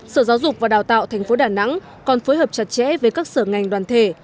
sở giáo dục và đào tạo tp đà nẵng còn phối hợp chặt chẽ với các sở ngành đoàn thể